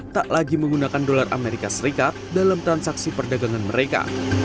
tak lagi menggunakan dolar amerika serikat dalam transaksi perdagangan mereka